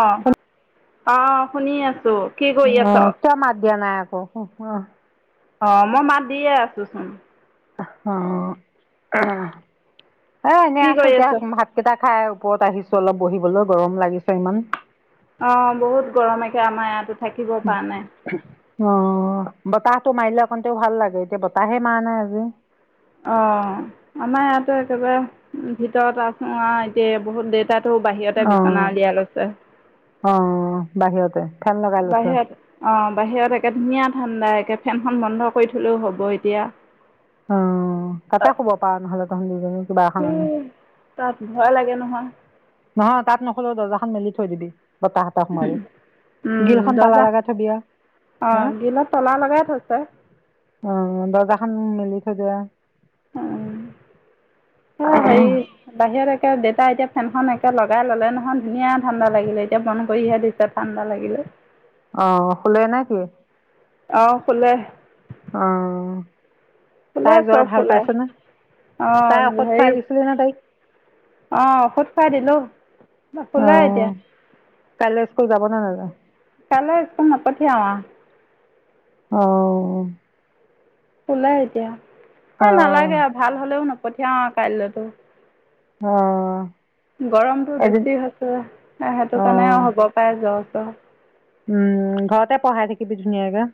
অহ-অহ শুনি আছোঁ। কি কৰি আছ অ', কিয় মাত দিয়া নাই আকৌ? অ', মই মাত দিয়ে আছো চোন। অহ, অহ। এ', এনেই কি আছো কৰি এতিয়া আছ ভাত-কেইটা খাই ওপৰত আহিছো অলপ বহিবলৈ গৰম লাগিছে ইমান। অ', বহুত গৰম আে', আমাৰ ইয়াত থাকিব পৰা নাই। অ ', বতাহটো মাৰিলে অকণতো ভাল লাগে। এতিয়া বতাহে মাৰা নাই আজি অ ', আমাৰ ইয়াতে একেবাৰে ভিতৰত আছোঁ, এতিয়া বহুত দেট অ-অ, বাহিৰত বাহিৰত অ', বাহিৰত একে ধুনীয়া ঠাণ্ডাএকে, ফেনখন বন্ধ কৰি থলেও, হ'ব এতিয়া। অ', তাতে শুব পাৰ নহ'লে। [unintelligible] আনি উম', তাত ভয় লাগে নহয়। অ তাত নুখুলোঁ, দৰ্জাখন মেলি থৈ দিবি। বতাহ এটা সোমাব গ্ৰীলখন উম তালা দৰ্জা, লগাই থবি আও অ, হা গ্ৰিলত তলা লগাই থৈছে। অ, দৰ্জাখন মেলি থৈ দিয়া। [unintelligible] উম, অ হেৰি বাহিৰত [unintelligible] দেতা এতিয়া ফেনখন একে লগাই ললে নহয় ধুনীয়া ঠাণ্ডা লাগিলে, এতিয়া বন্ধ কৰিহে দিছে ঠাণ্ডা লাগিলে। অ, শুলে নে কি? অহ শুলে। অ' শুলে তাই জ্বৰ চব ভাল শুলে পাইছে নে? [unintelligible] তাই ঔষধ খুৱাই দিছিলে নে তাইক? অ, ঔষধ খুৱাই দিলোঁ। অ, শুলে এতিয়া ' কাইলৈ স্কুল যাব? নে নাযায়? কাইলে স্কুল নপঠিয়াও আৰু। অ। শুলে এতিয়া। এ নালাগে আৰু ভাল হলেও নপ নপঠিয়াও কাইলেতো। অহ। গৰমতো বেছি হৈছে, সেইটো কাৰণে অ', হ'ব পাৰে জ্বৰ। [unintelligible] উম। ঘৰতে পঢ়াই থাকিবি ধুনীয়াকে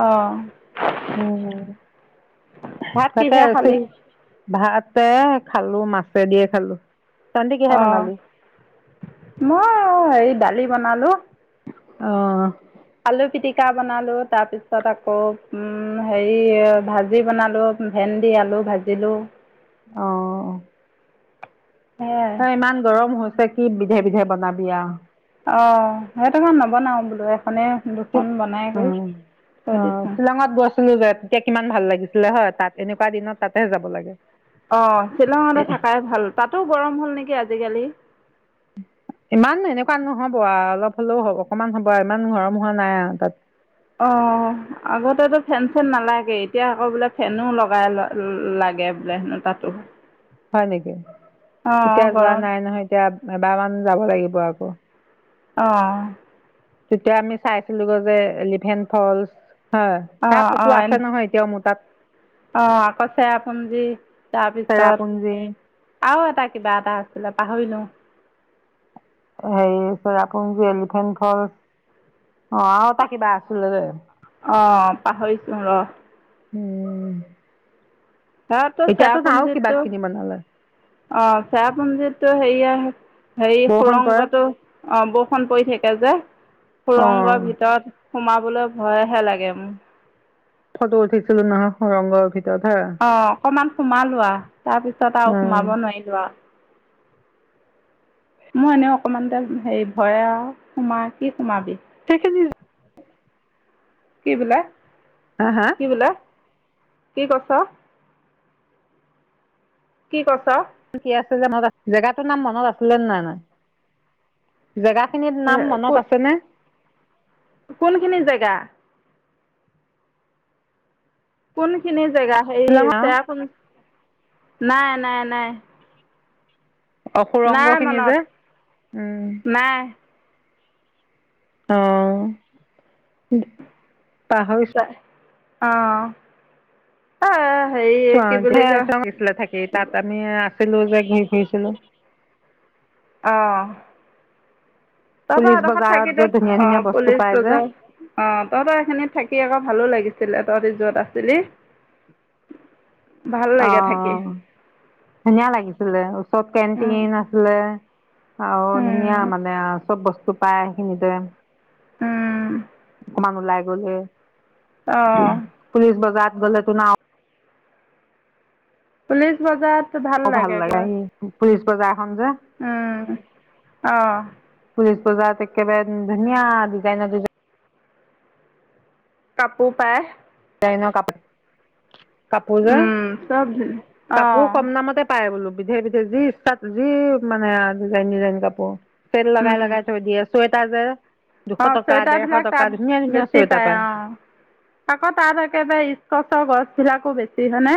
অহ, উম। ভাত কিহেৰে খালি? ভাত এ খালো, মাছেদিয়ে খালোঁ। অ', মই হেৰি দালি বনালো। অ'হ আলু পিটিকা বনালোঁ, তাৰপিছত আকৌ উম, হেৰি ভাজি বনালোঁ, ভেন্দি আলু ভাজিলোঁ। অ। সেয়াই হয়, ইমান গৰম হৈ ছে কি বিধে-বিধে বনাবি আৰু। অ সেইটোকাৰনে নবনাওঁ বোলো এখনেই এই দুখন বনাই অ কৰি থৈ অ। দিছোঁ। শ্বিলঙত গৈছিলোঁ যে তে কিমান ভাল লাগিছিলে হয় তাত। এনেকুৱা দিনত তাতেহে যাব লাগে। অ শ্বিলঙতে থাকাই ভাল। তাতো গৰম হ'ল নেকি আজিকালি? ইমান এনেকুৱা নহ'ব আ অলপ হ'লেও হ'ব অকনমান হ'ব আৰু ইমান গৰম হোৱা নাই আৰু তাত। অ আগতেতো ফেন চেন নালাগে। এতিয়া আকৌ বোলে ফেনো লগাই ল - লাগে বোলে হেনো তাতো। হয় নেকি? অঁ এতিয়া যোৱা গৰম নাই নহয় এতিয়া এবাৰমান যাব লাগিব আকৌ। অ। তেতিয়া আমি চাইছিলোগৈ যে এলিফেন ফলচ। হয় সেয়া ফটো আছে নহয় এতিয়াওঁ মোৰ তাত। অ আকৌ চেৰা পুঞ্জি তাৰপিছত চেৰাপুঞ্জী আৰু এটা কিবা এটা আছিলে। পাহৰিলোঁ। সেৰি চেৰাপুঞ্জী এলিফেণ্ ফলচ। অ আৰু এটা কিবা আছিলে যে অহ পাহৰিছোঁ ৰহ। উম। সেয়াতো এতিয়াতো আৰু কিবা চেৰাপুঞ্জিটো কিনি বনালে অ চেৰাপুঞ্জিটো হেৰি য়া- হেৰি বৰষুণ পৰে সুৰংগটো অ বৰষুণ পৰি থাকে যে। অ সুৰংগৰ ভিতৰত। সোমাবলৈ ভয়হে লাগে মোৰ। ফটো উঠিছিলোঁ নহয় সুৰংগৰ ভিতৰত। হা অ অকমান সোমালোঁ আ তাৰপিছত আৰু উম সোমাব নোৱাৰিলোঁ আ। মোৰ এনে অকমানতে হেৰি ভয় আও সোমা কি সোমাবি। কে কেজি কি বোলে। হা হা কি বোলে কি কইছ। কি কৈছ। কি আছিলোঁ যে জেগাতটো নাম মনত আছিলে নে নাই ন। জেগা খিনিৰ এ নাম কোন মনত আছে নে? কোনখিনি জেগা। কোন খিনি। জেগা সেই শ্বিলঙৰ চেয়াপু- নাই নাই নাই। অ নাই সুৰংগ খিনি মনত যে উম নাই অ'। পাহৰিছোঁ। অ' - অ'। অই চোৱা- ঢেৰ আছে [unintelligible] ছিলে থাকি। তাত আমি আ ছিলোঁ যে, ঘুৰি ফুৰিছিলোঁ। অ'। তহঁতৰ পুলিচ এদখত বজাৰত থাকি যে তত ধুনীয়া ধুনীয়া অ' বস্তু পলিচ পাই যে বজাৰ- অ' তহঁতৰ সেখিনিত থাকি আকৌ ভালো লাগি ছিলে, তহতি য'ত আছিলি ভাল লাগে থাকি অ'। ধুনীয়া লাগিছিলে। ওচৰত অঁ কেন্টিন আছিলে। আও, ধুনীয়া মানে চব বস্ টো পায় সেইখিনিতে। উম। কমান ওলাই গ'লেহে। পুলিচ বজাৰ গলেটোন আ পুলিচ বজাৰত অ' ভাল লাগে [unintelligible] সজা উম। অ'। পুলিচ বজাৰত একেবাৰে ধুনীয়া ডিজাইনৰ- ডিজাই কাপোৰ পায়। জাইনৰ কাপোৰ কাপোৰ যে। উম চব কাপোৰ কম অঁ দামতে পায় বোলোঁ। বিধে-বিধে যি ইষ্টা- যি মানে ডিজাইন-ডিজাইন কাপোৰ চেল লগাই-লগাই থৈ দিয়ে। চৱে তাৰ যে দুশ অ' টকা ডেৰশ চুৱেটাৰবিলাক টকা তাত ধুনীয়া ধুনীয়া বেছি চুৱেটাৰ পায়, অ'। আকৌ তাত একেবাৰে ইস্কছৰ গছবিলাকো বেছি হয়নে?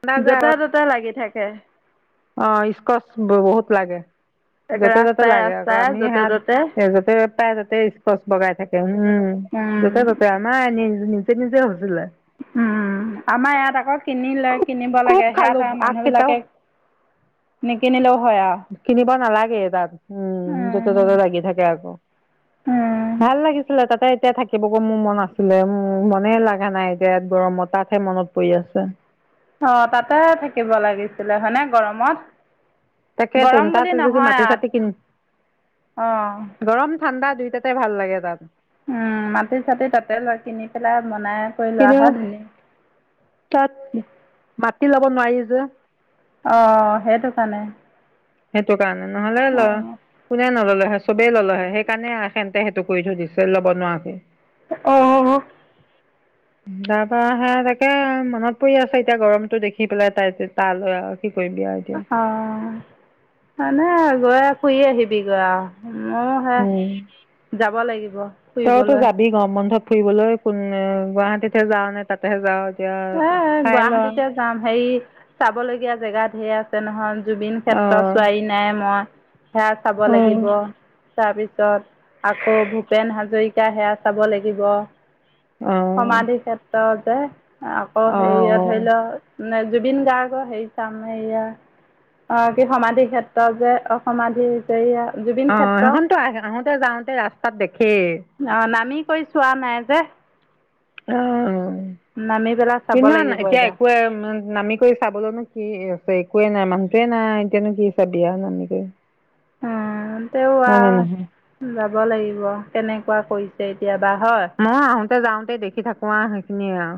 ঠাণ্ডা যে য'তে-ত'তে লাগি থাকে। অ' ইস্কছ বহুত লাগে। একে য'তে-ত'তে ৰাস্তাই লাগে আকৌ। ৰাস্তাই আমি য'তে হাত- ত'তে এ য'তে তাৰ তাতে ইস্কছ বগাই থাকে। উ উম, উম, য'তে-ত'তে। আমাৰ নি- নি তে নিজ উম, আমাৰ ইয়াত আকৌ কিনিলে, খুব কিনিব খুব লাগে খালো সেৱা আৰু মানুহ আগকেইটাও বিলাকে নিকিনিলেও হয় আৰু। কিনিব নালাগে এদা উম, যতে-ততে লাগি থাকে আকৌ উম। ভাল লাগিছিলে, তাতেই তেয়া থাকিবগৈ মোৰ মন আছিলে, মনেহে ল লগা নাই যে গৰম তাতহে মনত পৰি আছে। অ' তাতে থাকিব লাগিছিলে হয়নে গৰমত। তাকে ত গৰম তাত বুলি যদি নহয় আৰু মাটি-চাটি কিন, অ' গৰম ঠাণ্ডা দুইটাতে ভাল লাগে তাত। উম' মাটি-চাটি তাতে লোৱা কিনি পেলাই বনাই কৰি কিন্তু লোৱাহত ধুনীয়া। তাত মাটি, থাকি লব নোৱাৰি যে। অ সেইটো কাৰণে সেইটো, কাৰণে নহলে ল অ', কোনে নললে হয়। চবেই ল'লহে সেইকাৰণে সেতে সেইটো কৰি থৈ দিছে ল'ব নোৱাৰাকে আহ আহ তাৰপা সে তাকে মনত পৰি আছে এতিয়া গৰমতটো দেখি পেলাই তাই তালৈ আৰু কি কৰিবি আৰু এতিয়া অঁ মানে গৈ ফুৰি আহিবি গৈ মই হে উম যাব লাগিব তইতো ফুৰিবলৈ যাবি গৰম বন্ধত ফুৰিবলৈ কোন গুৱাহাটীতহে যাওঁ নে তাতেহে যাওঁ এ গুৱাহাটীতে যাম হেৰি চাব লগীয়া জেগাত সেয়া আছে নহৈ জুবিন ক্ষেত্ৰ অঁ চোৱাহি নাই মই সেৰা চাব অঁ লাগিব তাৰপিছত পিছত আকৌ ভূপেন হাজৰিকা সেয়া চাব লাগিব। অঁ সমাধি ক্ষেত্ৰত তে আকৌ হেৰি অঁ অঁ ধৰি লোৱা নে্ জুবিন গাৰ্গৰ হেৰি চাময়া কি সমাধি ক্ষেত্ৰত যে অসমাধি হৈছেয়া অ সেইখনতো আহ আহোতে যাওঁতে ৰাস্তাত দেখেই অ নামি কৈ চোৱা নাই যে। অ নামি পেলাই চাব কিন্ত লাগিব এতিয়া এবাৰ একোৱ নামি কৰি চাবলৈনো কি একো এই নাই মানুহটোৱে নাই এতিয়ানো কি চাবি আৰু এনেকে উম তেও আ যাব লাগিব কেনেক কোৱা কৰিছে এতিয়া বাঁহত। যাওঁতেই দেখি থাকো আ সেইখিনিয়ে আ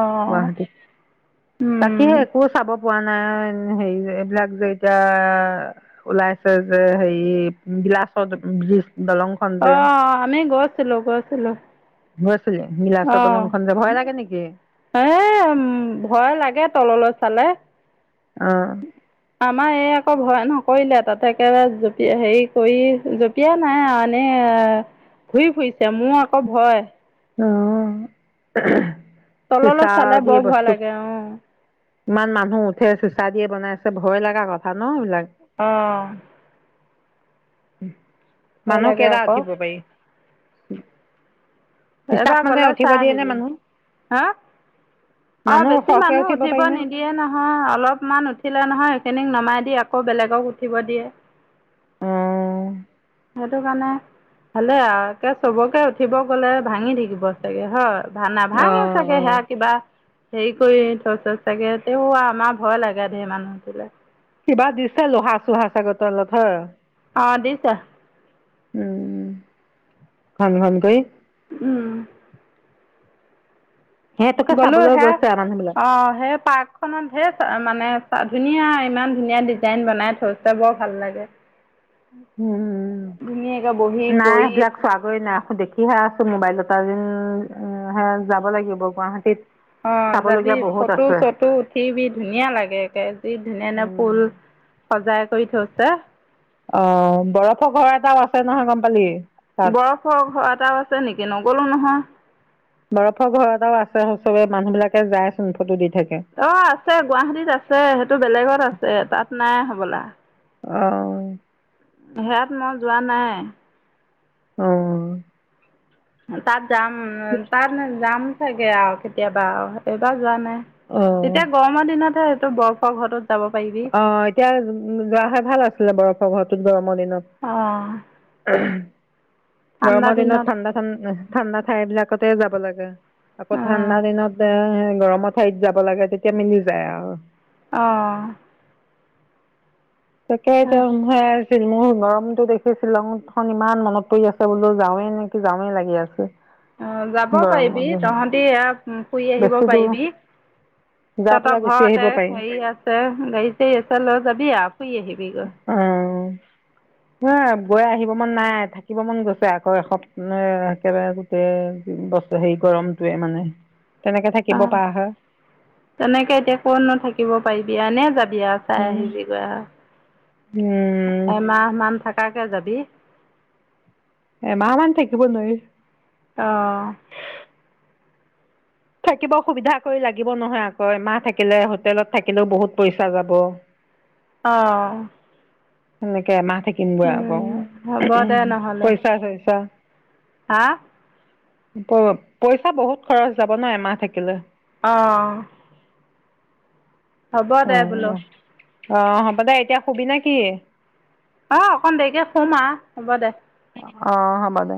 অ গুৱাহাটীত উম তাকেহে একো চাব পোৱা নাই হেৰি এইবিলাক যে এতিয়া ওলাইছে যে হেৰি বিলাচত বজ। অ আমি গছ। [unintelligible] হয় অ এ ভয় লাগে তললৈ চালে অঁ আমাৰ এই আকৌ ভয় ন। কৰিলে তাতে একেবাৰে জপিয় হেৰি কৰি জঁপিয়া নাই আৰু এনেই ঘুৰিই ফুৰিছে মোৰ আকৌ ভয়। আহ। তললৈত চালে বৰ ভয় লাগে অ। ইমান মানুহ উঠে চিচা দিয়ে বনাইছে ভয় লগা কথা ন এইবলাক। আহ উম মানুহ লাগে কেইটা আকৌ। উঠিব পাৰি। হিচাপ এবাৰ মতে গ'লে উঠিব চাই দিয়ে নে আহিবি মানুহ হা অ মানুহ বেছি সৰহকে মানুহ উঠিব পাৰি নে নিদিয়ে নহয় অলপমান উঠিলে নহয় সেইখিনিক নমাই দি আকৌ বেলেগক উঠিব দিয়ে অঁ সেইটো কাৰণে ভালে আ চবকে উঠিব গ'লে ভাঙি থাকিব চাগে হয় ভানা ভাঙে অঁ চাগে অঁ সেয়া কিবা হেৰি কৰি থ চচ চাগে তে আমাৰ ভয় লাগে ঢেৰ মানুহটো কিবা দিছে লোহা চুহাঁচ আগৰ তলত হ অ দিছে উম ঘংন ঘংন কৈ উম সিহঁতকে গলো চাবলৈ হে গৈছে আৰু মানুহ বিলাক অ সেই পাৰ্কখনত হে মানে ধুনীয়া ইমান ধুনীয়া ডিজাইন বনাই থৈছে বৰ ভাল লাগে। ধুনীয়াকৈ বহি উম নাই কৰি সেইবিলাক চোৱাগৈ নাই দেখিহে আছো মোবাইলত। দিন উ হে যাব লাগিব গুৱাহাটীত। অ যাবি চাবলগীয়া বহুত ফটো আছে চটো উঠিবি ধুনীয়া লাগেে যি ধুনীয়া ধু উম ফুল সজাই। কবি থছে। অ বৰফৰ ঘৰ এটাও আছে নহয়। গম পালি? তাত বৰফৰ এটাও আছে নেকি নগলো নহয়। বৰফৰ ঘৰটাও আছে চবে মানুহ বিলাকে যায় চোন ফটো দি- থাকে অ আছে গুৱাহাটীত আছে সেইটো বেলেগত আছে। তাত নাই হ'বলা। [inaudible] আহ সেয়াত মই যোৱা নাই। অহ তাত যাম তাত যাম চাগে আও কেতিয়াবা এইবাৰ যোৱা নাই। অহ তেতিয়া গৰমৰ দিনতহে টো বৰফৰ ঘৰটোত যাব পাৰিবি অ এতিয়া যোৱা হ'লে ভাল আছিলে বৰফৰ ঘৰত। [unintelligible] অঁ জন্মদিনত গৰমৰ দিনত ঠাণ্ডা ঠাণ্ড ঠাণ্ডা ঠাই বিলাকতে যা। ব লাগে। আকৌ অঁ ঠাণ্ডা দিনত যায় গৰমৰ ঠাইত যাব লাগে তেতিয়া মিলি যায় আৰ অহ তাকে হেতিয়া হেৰ সেইত মোৰ গৰমতো দেখি শ্বিলংত খন ইমান মনত পৰি আছে বোলো যাওঁৱে নেকি যাওঁৱে লাগি আছে। অ যাব পাৰিবি গৰমৰ তহঁতি ফুই আহিব বেছি দূৰ পাৰিবি। যাই তা পা পেলাই গুচি আহিব ঘৰতে পাৰি হেৰি আছে গাড়ী চাড়ী আছে লৈ যাবি আও। ফুই আহিবি গৈ। অ ন গৈ আহিব মন নাই থাকিব মন গৈছে আকৌ এসপ একেবাৰে গোটেই বছ হেৰি গৰমটোৱে মানে। তেনেকে অ থাকিব পৰা হয় তেনেকে এতিয়া কোন থাকিব পাৰি। বিয়ানে যাব- বিয়া চাই আহিবি গৈ আহ। উম থাকাকে যাবি। এমাহ মান থাকিব নোৱাৰি। অ থাকিব সুবিধা কৰি লাগিব নহয় আকৌ এমাহ থাকিলে হোটেলত থাকিলেও বহুত পইচা যাব। অ সেনেকে এমাহ থাকিম ব আকৌ হ'ব দে নহ'লে পইচা চইচা হা পইচা বহুত খৰচ যাব ন এমাহ থাকিলে আহঁ হ'ব দে বোলো অ হ'ব দে এতিয়া সুবি না কি অঁ অকণ দেৰিকৈ শুম আৰু হ'ব দে অ হব দে